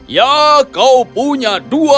ya kau punya